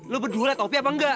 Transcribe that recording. lo berdua liat opi apa enggak